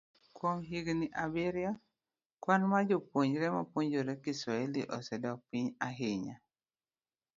Kuom higini abiriyo, kwan mar jopuonjre mapuonjore Kiswahili osedok piny ahinya.